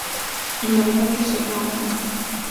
Ils n’auraient pu se faire entendre.